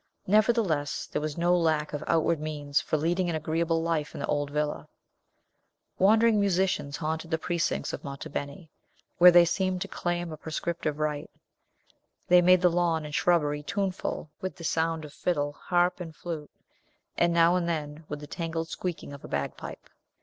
Nevertheless, there was no lack of outward means for leading an agreeable life in the old villa. Wandering musicians haunted the precincts of Monte Beni, where they seemed to claim a prescriptive right; they made the lawn and shrubbery tuneful with the sound of fiddle, harp, and flute, and now and then with the tangled squeaking of a bagpipe.